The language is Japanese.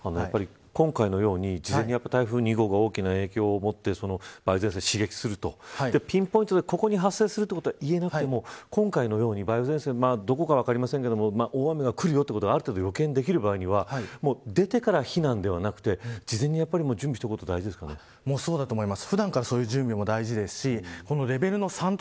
今回のように事前に台風２号が大きな影響をもって梅雨前線を刺激をするとピンポイントにここに発生するとは言えなくても今回のようにどこか分かりませんが大雨がくることがある程度予見できる場合は出てから非難ではなくて事前に準備することがそうだと思います。